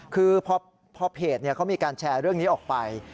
คือพอเพจเขามีการแชร์เรื่องนี้ออกไป